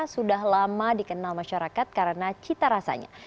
sudah lama dikenal masyarakat karena cita rasanya